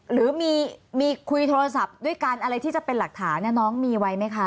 หรือมีคุยโทรศัพท์ด้วยกันอะไรที่จะเป็นหลักฐานน้องมีไว้ไหมคะ